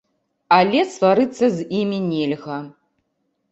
Але сварыцца з імі нельга.